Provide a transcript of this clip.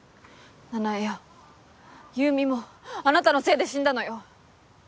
奈々江や優美もあなたのせいで死んだのよ。